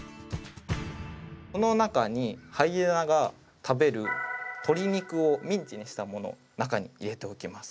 この中にハイエナが食べる鶏肉をミンチにしたものを中に入れておきます。